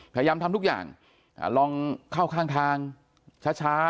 พยายามทำทุกอย่างลองเข้าข้างทางช้า